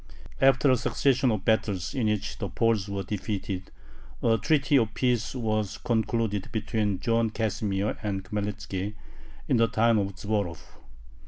After a succession of battles in which the Poles were defeated, a treaty of peace was concluded between John Casimir and Khmelnitzki, in the town of Zborov.